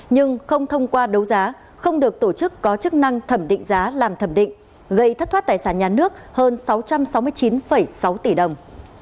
nhưng không thông qua đấu giá không được tổ chức có chức năng thẩm định giá làm thẩm định gây thất thoát tài sản nhà nước hơn sáu trăm sáu mươi chín sáu tỷ đồng